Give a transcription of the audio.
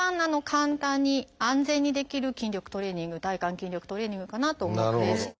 簡単に安全にできる筋力トレーニング体幹筋力トレーニングかなと思うので。